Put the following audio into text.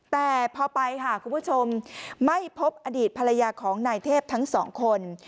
แต่พอไปค่ะคุณผู้ชมไม่พบอดีตภรรยาของนายเทพทั้งสองคน